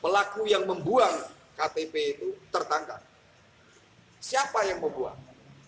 pelaku yang membuang ktp itu tertangkap siapa yang membuang